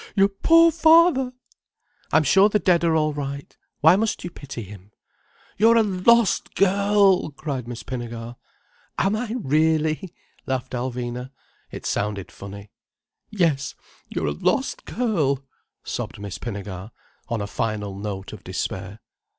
Your poor father!" "I'm sure the dead are all right. Why must you pity him?" "You're a lost girl!" cried Miss Pinnegar. "Am I really?" laughed Alvina. It sounded funny. "Yes, you're a lost girl," sobbed Miss Pinnegar, on a final note of despair.